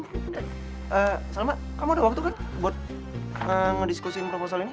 eh salma kamu ada waktu kan buat ngediskusin proposal ini